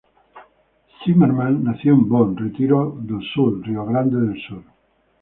Zimmermann Nació en Bom Retiro do Sul, Río Grande del Sur.